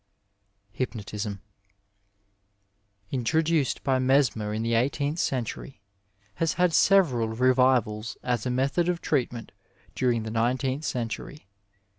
Hypnotisniy introduced by Mesmer in the eighteenth century, has had several revivals as a method of treatment during the nmeteenth century.